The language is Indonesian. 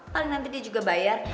paling nanti dia juga bayar